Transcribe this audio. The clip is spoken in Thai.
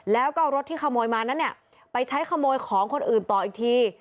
แล้วก็เอารถที่ขโมยมานั้นเนี่ยไปใช้ขโมยของคนอื่นต่ออีกที